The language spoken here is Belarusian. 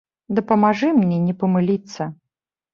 Дапамажы мне не памыліцца.